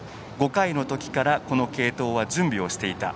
５回の時からこの継投は準備をしていた。